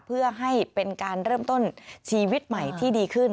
เพื่อให้เป็นการเริ่มต้นชีวิตใหม่ที่ดีขึ้น